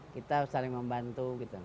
kita saling membantu